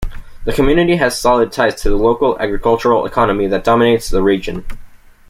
The community has solid ties to the local agricultural economy that dominates the region.